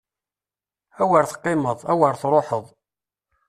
Awer teqqimeḍ! Awer truḥeḍ!